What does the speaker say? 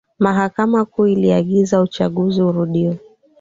mahakama kuu iliagiza uchaguzi urudiwe